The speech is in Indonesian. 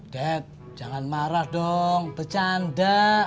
dead jangan marah dong bercanda